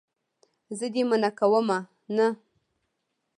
زه دې منع کومه نه.